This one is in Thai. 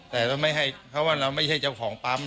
แต่ก็ไม่ให้เพราะว่าเราไม่ใช่เจ้าของปั๊ม